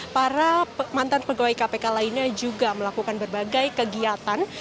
para mantan pegawai kpk lainnya juga melakukan berbagai kegiatan